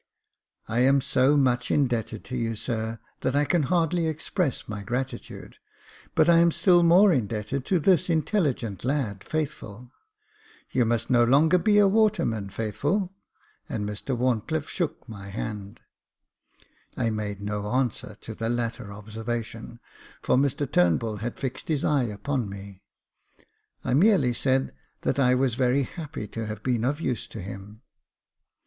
"•I am so much indebted to you, sir, that I can hardly express my gratitude, but I am still more indebted to this intelligent lad. Faithful. You must no longer be a water man, Faithful," and Mr WharnclifFe shook my hand. I made no answer to the latter observation, for Mr Turnbull had fixed his eye upon me : I merely said that I was very happy to have been of use to him.